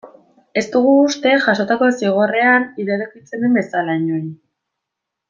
Ez dugu uste, jasotako zigorrean iradokitzen den bezala, inori.